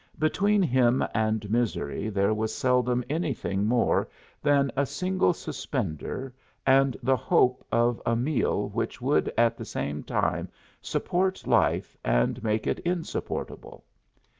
Between him and misery there was seldom anything more than a single suspender and the hope of a meal which would at the same time support life and make it insupportable.